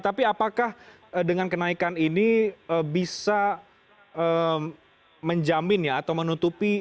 tapi apakah dengan kenaikan ini bisa menjamin ya atau menutupi